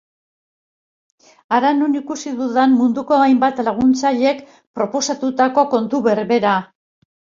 Hara non ikusi dudan munduko hainbat laguntzailek proposatutako kontu berbera.